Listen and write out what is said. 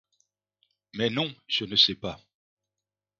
Mais non, je ne sais pas.